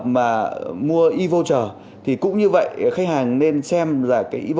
mà vừa qua cái đèn tới lui